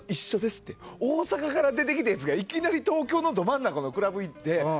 大阪から出てきたやつがいきなり東京のど真ん中のクラブに行って。